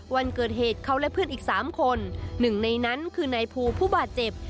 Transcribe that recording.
วันเกิดเหตุเขาและเพื่อนอีก๓คนหนึ่งในนั้นคือนายภูผู้บาดเจ็บ